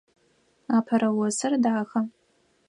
Апэрэ осыр дахэ.